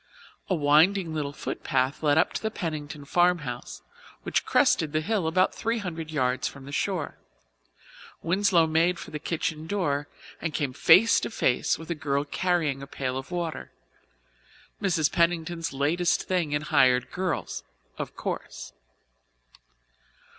A winding little footpath led up to the Pennington farmhouse, which crested the hill about three hundred yards from the shore. Winslow made for the kitchen door and came face to face with a girl carrying a pail of water Mrs. Pennington's latest thing in hired girls, of course.